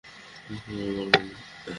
তাকে আর মারবো না।